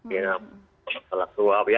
ya masalah suap